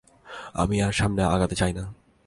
আমি আর সামনে আগাতে চাই না।